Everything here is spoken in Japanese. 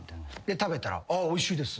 食べたらあっおいしいです。